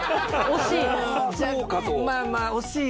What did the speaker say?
惜しい！